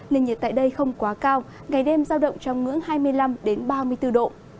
nền nhiệt tại đây không quá cao ngày đêm giao động trong ngưỡng hai mươi năm ba mươi bốn độ